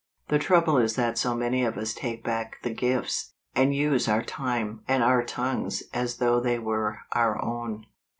The trouble is that so many of us take back the gifts, and use our time and our tongues as though they were our own.